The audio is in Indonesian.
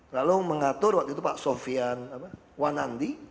lalu mengatur waktu itu pak sofian wanandi